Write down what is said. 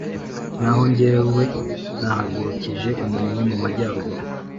Naho jyewe, nahagurukije umuntu mu majyaruguru,